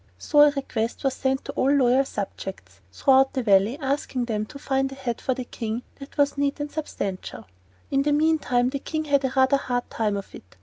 So a request was sent to all loyal subjects throughout the Valley asking them to find a head for their King that was neat and substantial. In the meantime the King had a rather hard time of it.